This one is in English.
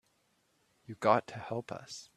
You got to help us.